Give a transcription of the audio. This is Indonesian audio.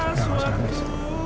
udah gak usah nangis